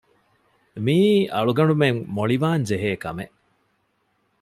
މިއީ އަޅުގަނޑުމެން މޮޅިވާންޖެހޭ ކަމެއް